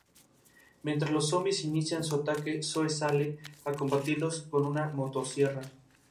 Mientras los zombis inician su ataque, Zoe sale a combatirlos con una motosierra.